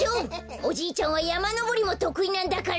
おじいちゃんはやまのぼりもとくいなんだから！